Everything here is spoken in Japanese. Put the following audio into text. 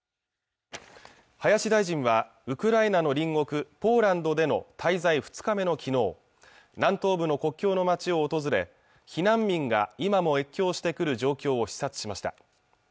林大臣はウクライナの隣国ポーランドでの滞在２日目の昨日南東部の国境の町を訪れ避難民が今も影響してくる状況を視察しました